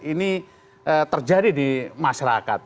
ini terjadi di masyarakat